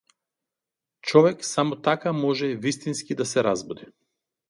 Човек само така може вистински да се разбуди.